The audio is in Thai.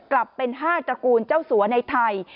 กลับเป็น๕ตระกูลเจ้าสัวในไทย